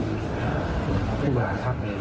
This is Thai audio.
ครับผมบอกว่าตอนนี้